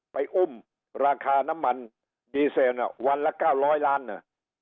ไปอุ้มราคาน้ำมันดีเซนอ่ะวันละเก้าร้อยล้านน่ะ